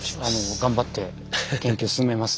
頑張って研究進めます。